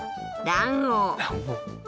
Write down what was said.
卵黄！？